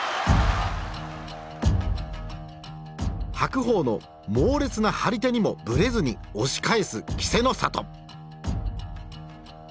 白鵬の猛烈な張り手にもぶれずに押し返す稀勢の里。